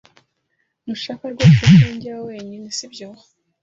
Ntushaka rwose ko njyayo wenyine, sibyo?